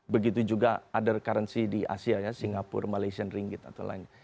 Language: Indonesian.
begitu juga ada currency di asia singapura malaysia ringgit atau lain